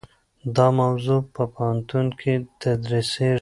دا موضوع په پوهنتون کې تدریسیږي.